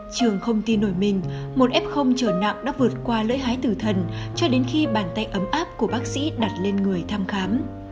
trường không tin nổi mình một f trở nặng đã vượt qua lưỡi hái tử thần cho đến khi bàn tay ấm áp của bác sĩ đặt lên người thăm khám